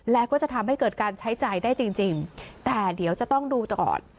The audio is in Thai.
และก็จะทำให้เกิดการใช้จ่ายได้จริงแต่เดี๋ยวจะต้องดูก่อน